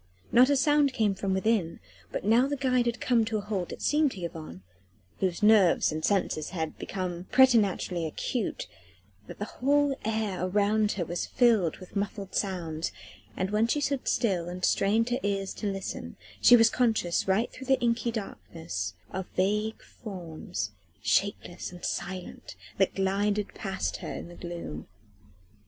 Not a sound came from within, but now that the guide had come to a halt it seemed to Yvonne whose nerves and senses had become preternaturally acute that the whole air around her was filled with muffled sounds, and when she stood still and strained her ears to listen she was conscious right through the inky blackness of vague forms shapeless and silent that glided past her in the gloom.